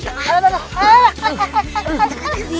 tangan dulu lagi ikutan